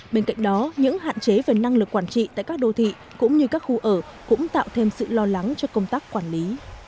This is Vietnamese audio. bên cạnh đó những hạn chế về năng lực quản trị tại các đô thị cũng như các khu ở cũng tạo thêm sự lo lắng cho công tác quản lý